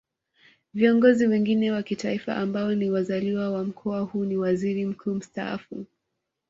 Viongozi wengine wa Kitaifa ambao ni wazaliwa wa Mkoa huu ni Waziri Mkuu Mstaafu